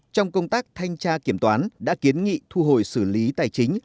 trong công tác thanh tra kiểm toán đã kiến nghị thu hồi xử lý tài chính